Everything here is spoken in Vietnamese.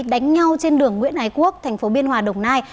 đánh nhau trên đường nguyễn ái quốc tp biên hòa đồng nai